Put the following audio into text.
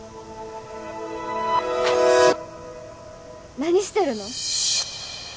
何してるの？